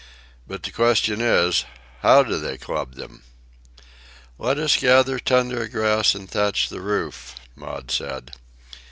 "But the question is, How do they club them?" "Let us gather tundra grass and thatch the roof," Maud said.